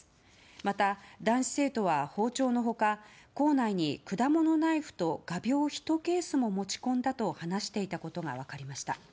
また男子生徒は包丁の他校内に果物ナイフと画びょう１ケースも持ち込んだと話していたことが分かりました。